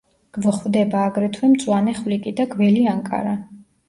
გვხვდება აგრეთვე მწვანე ხვლიკი და გველი ანკარა.